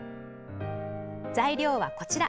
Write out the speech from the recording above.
材料はこちら。